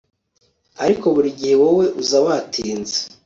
ariko burigihe wowe uza watinze